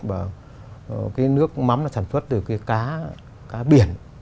thì cái nước mắm là sản xuất từ cái cá biển